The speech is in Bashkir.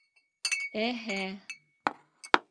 Әһә...